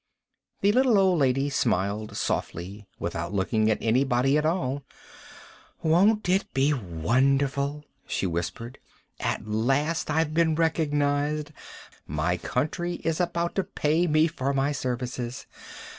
The little old lady smiled softly without looking at anybody at all. "Won't it be wonderful?" she whispered. "At last I've been recognized. My country is about to pay me for my services.